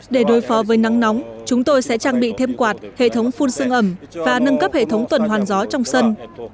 để đối phó với nắng nóng chúng tôi sẽ trang bị thêm quạt hệ thống phun sương ẩm và nâng cấp hệ thống tuần hoàn toàn